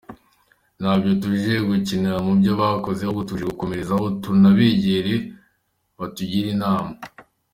Ntabwo tuje gukinira mubyo bakoze ahubwo tuje gukomerezaho, tunabegere batugire inama.